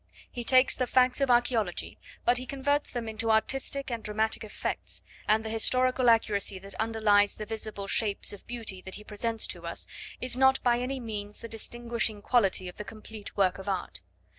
He takes the facts of archaeology, but he converts them into artistic and dramatic effects, and the historical accuracy that underlies the visible shapes of beauty that he presents to us, is not by any means the distinguishing quality of the complete work of art.